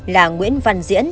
là nguyễn văn diễn